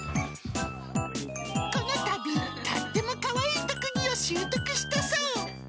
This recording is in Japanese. このたび、とってもかわいい特技を習得したそう。